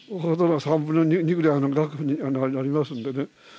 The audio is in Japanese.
３分の２くらいの額になりますん